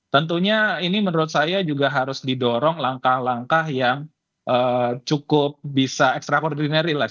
tentunya ini menurut saya juga harus didorong langkah langkah yang cukup bisa extraordinary lah